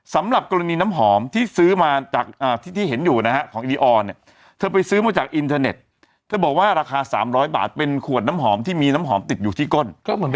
สำหรับกรณีน้ำหอมที่ซื้อมาจากที่เห็นอยู่นะฮะของอีออนเนี่ยเธอไปซื้อมาจากอินเทอร์เน็ตเธอบอกว่าราคา๓๐๐บาทเป็นขวดน้ำหอมที่มีน้ำหอมติดอยู่ที่ก้น